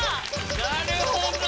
なるほど。